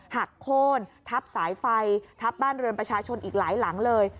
หักโค้นทับสายไฟทับบ้านเรือนประชาชนอีกหลายหลังเลย